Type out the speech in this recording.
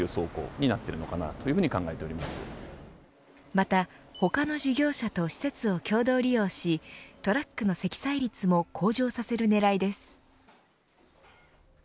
また他の事業者と施設を共同利用しトラックの積載率も向上させる狙いです。